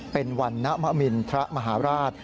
เป็นวันนมินทรมหาราช